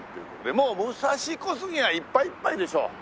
もう武蔵小杉はいっぱいいっぱいでしょ。